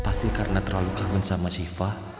pasti karena terlalu kangen sama syifa